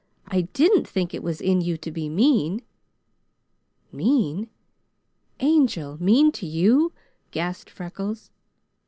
I didn't think it was in you to be mean!" "Mean, Angel! Mean to you?" gasped Freckles.